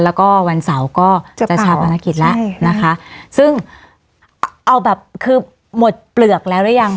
แล้วก็วันเสาร์ก็จะชาปนกิจแล้วนะคะซึ่งเอาแบบคือหมดเปลือกแล้วหรือยัง